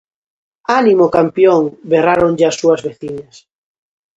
"Ánimo, campión!", berráronlle as súas veciñas.